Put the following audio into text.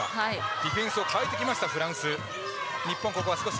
ディフェンスを変えてきました。